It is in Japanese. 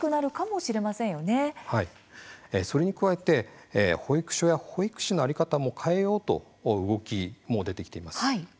はい、それに加えて保育所や保育士の在り方も変えようと動きも出てきています。